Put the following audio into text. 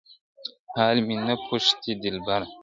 حال می نه پوښتې دلبره.